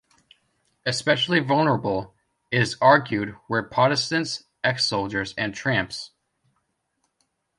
Especially vulnerable, it is argued, were Protestants, ex-soldiers and tramps.